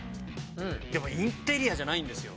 でもインテリアじゃないんですよ